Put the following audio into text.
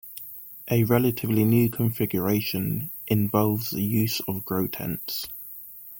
A relatively new configuration involves the use of grow tents.